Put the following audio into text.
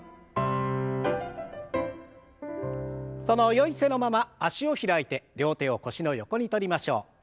そのよい姿勢のまま脚を開いて両手を腰の横にとりましょう。